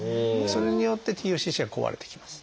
それによってＴＦＣＣは壊れていきます。